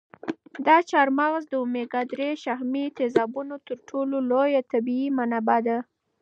دا چهارمغز د اومیګا درې شحمي تېزابو تر ټولو لویه طبیعي منبع ده.